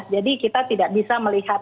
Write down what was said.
jadi kita tidak bisa melihat